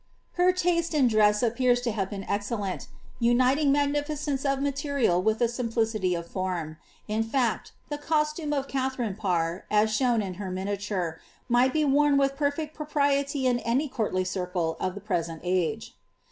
Her taste in dress appears to have been excellent, uiiiiing magnificence of material with a simplicity of form. In fac^ the co»iume of Kaiha nne Parr, as shown in her rainialure, might be worn with perfect pro priety in any courtly circle of the present age.